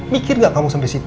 mikir gak kamu sampai situ